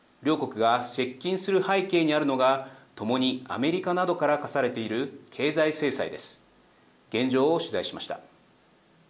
両国が接近する背景にあるのが共にアメリカなどから科されている経済制裁です。